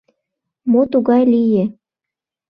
— Мо тугай лие?